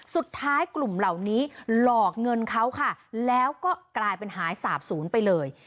สุดท้ายกลุ่มเหล่านี้หลอกเงินเขาค่ะแล้วก็กลายเป็นหายสาบศูนย์ไปเลย